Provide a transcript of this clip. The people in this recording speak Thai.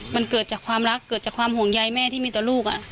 มันเกิดจากความรักเกิดจากความห่วงใยแม่ที่มีต่อลูก